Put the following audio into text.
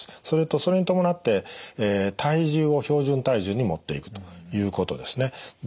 それとそれに伴って体重を標準体重にもっていくということですね。